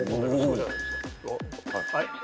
はい。